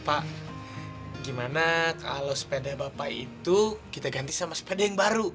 pak gimana kalau sepeda bapak itu kita ganti sama sepeda yang baru